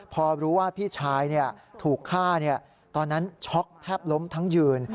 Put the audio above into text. พอรู้ว่าพี่ชายถูกฆ่าตอนนั้นช็อกแทบล้มทั้งยืน